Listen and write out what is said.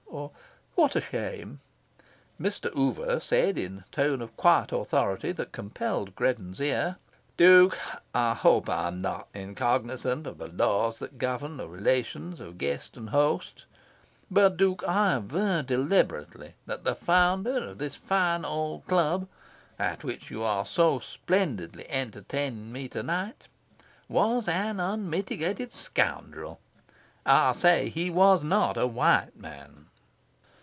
or "What a shame!" Mr. Oover said in a tone of quiet authority that compelled Greddon's ear "Duke, I hope I am not incognisant of the laws that govern the relations of guest and host. But, Duke, I aver deliberately that the founder of this fine old club; at which you are so splendidly entertaining me to night, was an unmitigated scoundrel. I say he was not a white man."